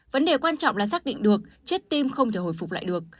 vấn đề quan trọng là xác định được chất tim không thể hồi phục lại được